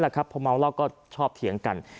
เมาเลร่าก็ชอบเผียบกัน